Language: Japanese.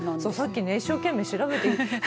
さっき一生懸命調べて。